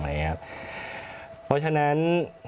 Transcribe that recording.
เพราะฉะนั้น